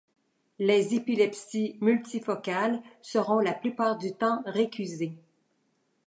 Les épilepsies multifocales seront la plupart du temps récusées.